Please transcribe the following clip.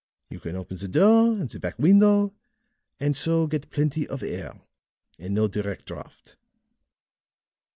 You can open the door and the back window, and so get plenty of air and no direct draught."